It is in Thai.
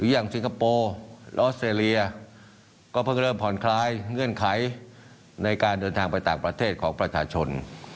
สิงคโปร์ออสเตรเลียก็เพิ่งเริ่มผ่อนคลายเงื่อนไขในการเดินทางไปต่างประเทศของประชาชน